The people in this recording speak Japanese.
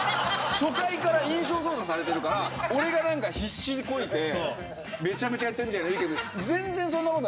初回から印象操作されてるから俺が必死こいてめちゃめちゃやってるみたいに言うけど全然そんなことないです。